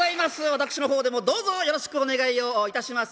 私の方でもどうぞよろしくお願いをいたします。